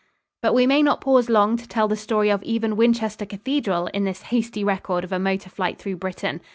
But we may not pause long to tell the story of even Winchester Cathedral in this hasty record of a motor flight through Britain.